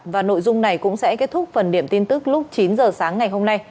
và nội dung này cũng sẽ kết thúc phần điểm tin tức lúc chín h sáng ngày hôm nay